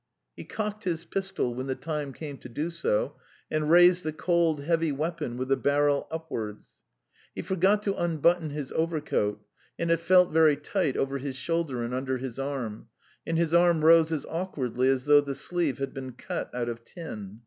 He cocked his pistol when the time came to do so, and raised the cold, heavy weapon with the barrel upwards. He forgot to unbutton his overcoat, and it felt very tight over his shoulder and under his arm, and his arm rose as awkwardly as though the sleeve had been cut out of tin.